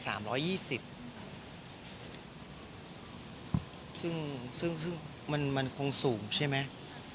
ซึ่งมันคงสูงใช่ไหม